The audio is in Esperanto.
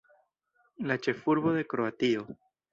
La ĉefurbo de Kroatio.